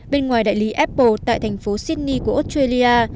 bên ngoài đại lý apple tại thành phố sydney của australia